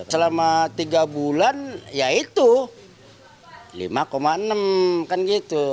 selama tiga bulan ya itu lima enam kan gitu